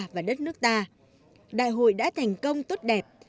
và đất nước ta đại hội đã thành công tốt đẹp